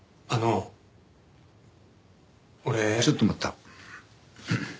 ああちょっと待った！